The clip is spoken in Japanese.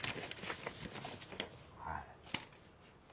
はい。